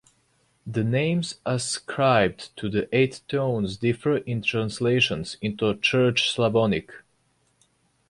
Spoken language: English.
The names ascribed to the eight tones differ in translations into Church Slavonic.